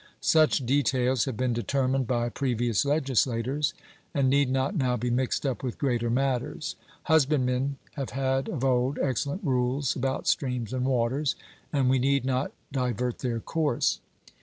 Such details have been determined by previous legislators, and need not now be mixed up with greater matters. Husbandmen have had of old excellent rules about streams and waters; and we need not 'divert their course.'